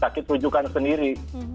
sakit rujukan sendiri